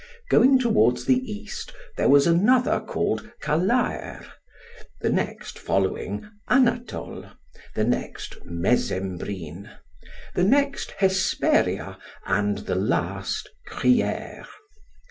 Going towards the east, there was another called Calaer, the next following Anatole, the next Mesembrine, the next Hesperia, and the last Criere.